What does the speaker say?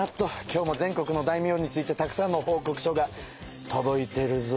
今日も全国の大名についてたくさんの報告書がとどいてるぞ。